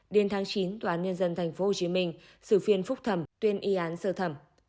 điên tháng chín toán nhân dân tp hcm xử phiên phúc thẩm tuyên y án sơ thẩm